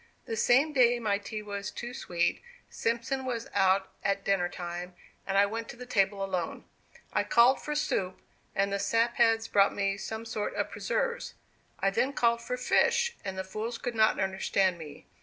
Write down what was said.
"The same day my tea was too sweet, Simpson was out at dinner time; and I went to the table alone. I called for soup, and the sap heads brought me some sort of preserves. I then called for fish, and the fools could not understand me.